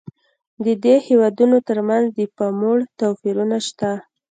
د دې هېوادونو ترمنځ د پاموړ توپیرونه شته.